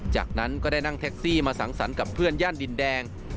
จากนั้นก็ได้นั่งแท็กซี่มาสังสรรค์กับเพื่อนย่านดินแดง